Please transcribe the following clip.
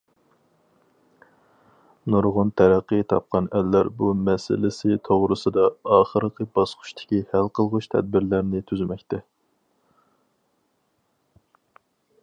نۇرغۇن تەرەققىي تاپقان ئەللەر بۇ مەسىلىسى توغرىسىدا ئاخىرقى باسقۇچتىكى ھەل قىلغۇچ تەدبىرلەرنى تۈزمەكتە.